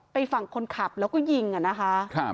ฝั่งคนขับแล้วก็ยิงอ่ะนะคะ